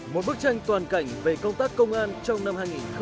một bức tranh toàn cảnh về công tác công an trong năm hai nghìn một mươi tám